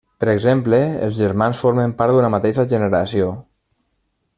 Per exemple: els germans formen part d'una mateixa generació.